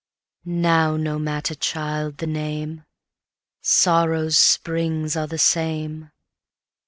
Now no matter, child, the name:Sórrow's spríngs áre the same.